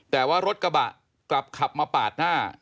แต่ว่ารถกระบะกลับขับมาปาดหน้า